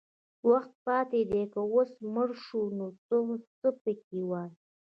وخت پاتې دی که اوس مړه شو نو ته څه پکې وایې